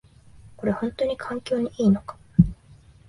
これ、ほんとに環境にいいのか？